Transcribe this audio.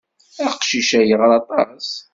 Aqcic-a yeɣra aṭas.